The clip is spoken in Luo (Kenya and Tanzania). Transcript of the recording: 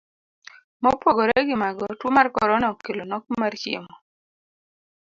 Mopogore gi mago, tuo mar korona okelo nok mar chiemo.